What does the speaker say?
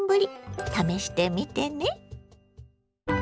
試してみてね。